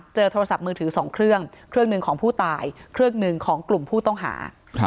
โทรศัพท์มือถือ๒เครื่องเครื่องหนึ่งของผู้ตายเครื่องหนึ่งของกลุ่มผู้ต้องหา